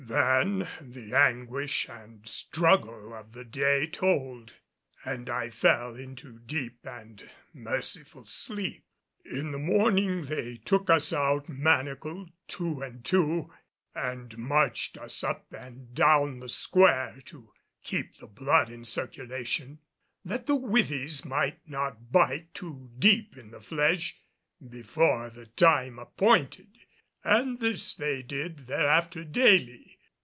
Then the anguish and struggle of the day told, and I fell into deep and merciful sleep. In the morning they took us out manacled two and two and marched us up and down the square to keep the blood in circulation, that the withes might not bite too deep into the flesh before the time appointed; and this they did thereafter daily.